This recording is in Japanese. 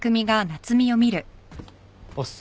おっす。